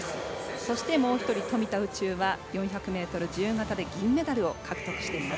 そして、富田宇宙は４００ｍ自由形で銀メダルを獲得しています。